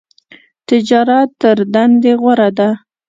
تجارت تر دندی غوره ده .